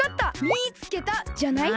「みいつけた！」じゃない？